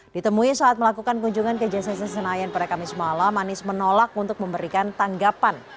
ditemui saat melakukan kunjungan ke jcc senayan pada kamis malam anies menolak untuk memberikan tanggapan